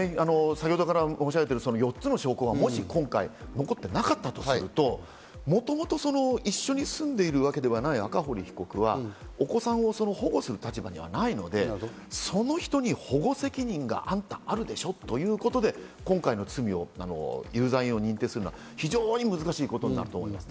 先ほどから申し上げている４つの証拠が今回残っていなかったとすると、もともと一緒に住んでいるわけではない赤堀被告は、お子さんを保護する立場にはないので、その人に保護責任があんた、あるでしょということで今回の罪を犯罪を認定するのは非常に難しいことだと思います。